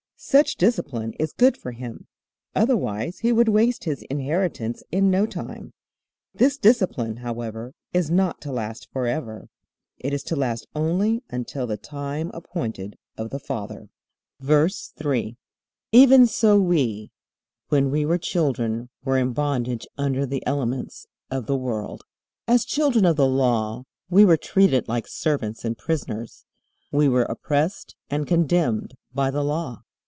Such discipline is good for him, otherwise he would waste his inheritance in no time. This discipline, however, is not to last forever. It is to last only until 'the time appointed of the father.'" VERSE 3. Even so we, when we were children, were in bondage under the elements of the world. As children of the Law we were treated like servants and prisoners. We were oppressed and condemned by the Law.